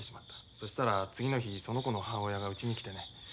そしたら次の日その子の母親がうちに来てね。